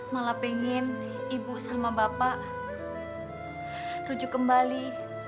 malah pengen ibu sama bapak rujuk kembali